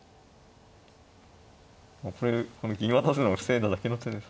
これ銀渡すのを防いだだけの手です。